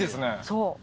そう。